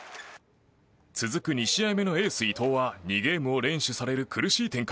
続く２試合目のエース、伊藤は２ゲームを連取される苦しい展開。